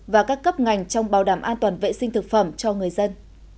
và các cấp ngành trong bảo đảm an toàn vệ sinh thực phẩm cho người dân